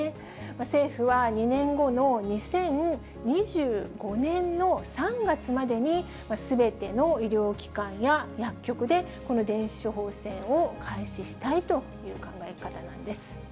政府は２年後の２０２５年の３月までに、すべての医療機関や薬局で、この電子処方箋を開始したいという考え方なんです。